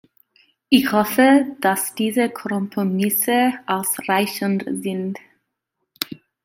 Ich hoffe, dass diese Kompromisse ausreichend sind.